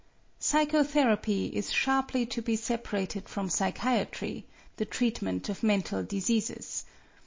Psychotherapy is sharply to be separated from psychiatry, the treatment of mental diseases.